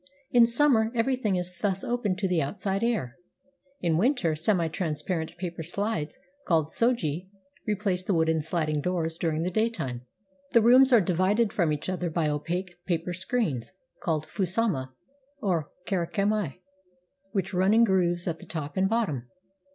In summer, every thing is thus open to the outside air. In winter, semi transparent paper sHdes, called shoji, replace the wooden sUding doors during the daytime. The rooms are di vided from each other by opaque paper screens, called fusuma or karakami, which run in grooves at the top and bottom.